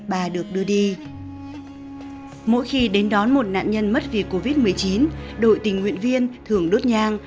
ba được đưa đi mỗi khi đến đón một nạn nhân mất vì covid một mươi chín đội tình nguyện viên thường đốt nhang